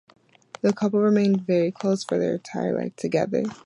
The couple remained very close for their entire life together.